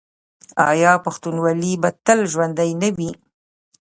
آیا پښتونولي به تل ژوندي نه وي؟